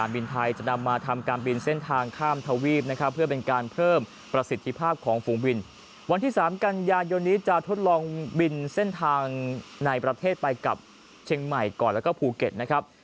บินเส้นทางในประเทศไปกับเชงมัยก่อนแล้วก็ภูเก็ตนะครับ